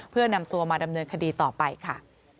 เพื่อนำตัวมาดำเนินคดีต่อไปค่ะ